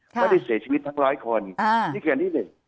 ไม่ได้เสียชีวิตทั้งร้อยคนนี่แค่นี้เลย